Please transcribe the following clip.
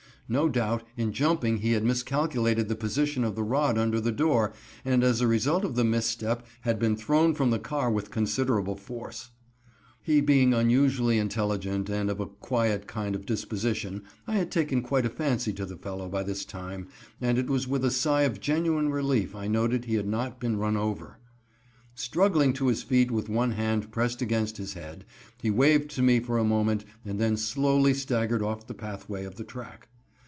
No doubt, in jumping he had miscalculated the position of the rod under the door, and as a result of the misstep, had been thrown from the car with considerable force. Being unusually intelligent, and of a quiet kind of disposition, I had taken quite a fancy to the fellow by this time, and it was with a sigh of genuine relief I noted he had not been run over. Struggling to his feet with one hand pressed against his head, he waved to me for a moment and then slowly staggered off the pathway of the track.